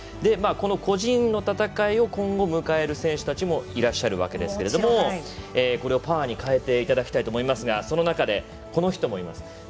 この個人の戦いを今度迎える選手たちもいらっしゃるわけですけれどそれをパワーに変えていただきたいとおもいますがその中でこの人もいます。